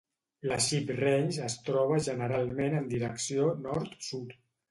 La Sheep Range es troba generalment en direcció nord-sud.